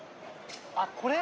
あっこれ？